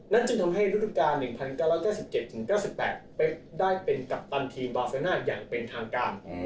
นั่นจึงทำให้ฤทธิกา๑๙๙๗๙๘เป๊บได้เป็นกัปตันทีมวาซาณาอย่างเป็นทางการ